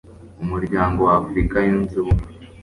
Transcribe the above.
umuryango w'africa yunze ubumwe